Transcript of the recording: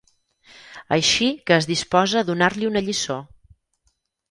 Així que es disposa a donar-li una lliçó.